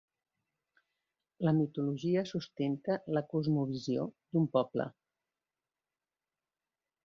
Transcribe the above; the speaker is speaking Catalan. La mitologia sustenta la cosmovisió d'un poble.